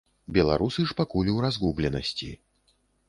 Беларусы ж пакуль у разгубленасці.